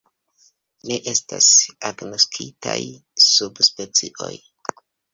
Ne estas agnoskitaj subspecioj.